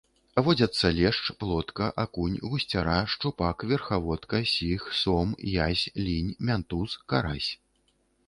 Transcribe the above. Водзяцца лешч, плотка, акунь, гусцяра, шчупак, верхаводка, сіг, сом, язь, лінь, мянтуз, карась.